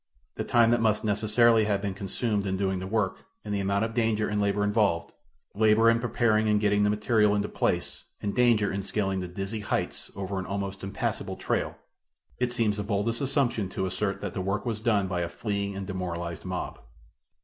The time that must necessarily have been consumed in doing the work and the amount of danger and labor involved labor in preparing and getting the material into place and danger in scaling the dizzy heights over an almost impassible trail, it seems the boldest assumption to assert that the work was done by a fleeing and demoralized mob.